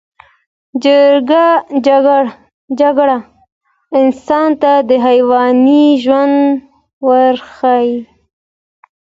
جګړه انسان ته د حیواني ژوند ورښيي